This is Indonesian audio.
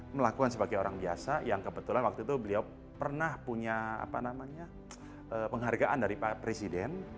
melakukan sebagai orang biasa yang kebetulan waktu itu beliau pernah punya penghargaan dari pak presiden